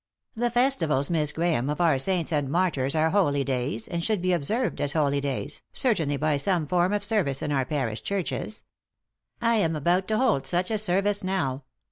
The festivals, Miss Grahame, of our saints and martyrs are holy days, and should be observed as holy days, cer tainly by some form of service in our parish churches I am about to hold such a service now.